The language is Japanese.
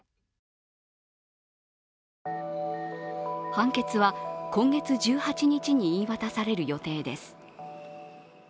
判決は今月１８日に言い渡される予定です。